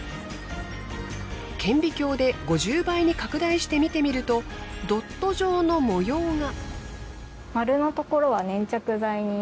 顕微鏡で５０倍に拡大して見てみるとドット状の模様が。